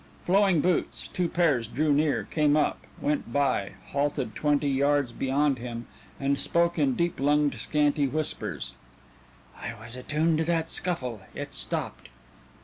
Flowing Boots, two pairs, drew near, came up, went by, halted twenty yards beyond him, and spoke in deep lunged, scanty whispers: "I was attune to that scuffle; it stopped."